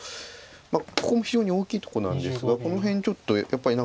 ここも非常に大きいとこなんですがこの辺ちょっとやっぱり何か薄いです。